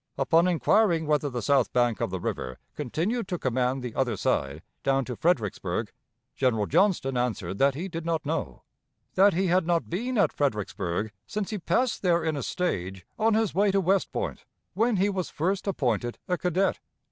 Upon inquiring whether the south bank of the river continued to command the other side down to Fredericksburg, General Johnston answered that he did not know; that he had not been at Fredericksburg since he passed there in a stage on his way to West Point, when he was first appointed a cadet.